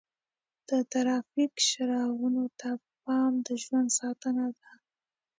د ټرافیک څراغونو ته پام د ژوند ساتنه ده.